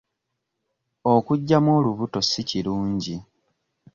Okuggyamu olubuto si kirungi.